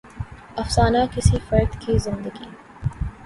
افسانہ کسی فرد کے زندگی